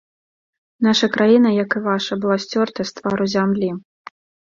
Наша краіна, як і ваша, была сцёртая з твару зямлі.